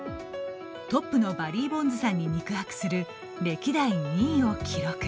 トップのバリー・ボンズさんに肉薄する歴代２位を記録。